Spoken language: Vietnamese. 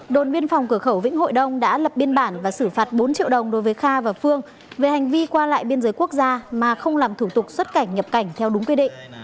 đồn biên phòng cửa khẩu vĩnh hội đông đã lập biên bản và xử phạt bốn triệu đồng đối với kha và phương về hành vi qua lại biên giới quốc gia mà không làm thủ tục xuất cảnh nhập cảnh theo đúng quy định